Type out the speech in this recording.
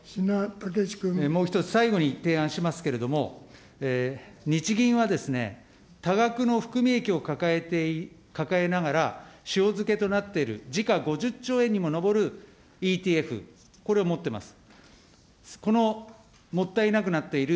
もう１つ、最後に提案しますけれども、日銀はですね、多額の含み益を抱えながら、塩漬けとなってる時価５０兆円にも上るＥＴＦ、これを持っています。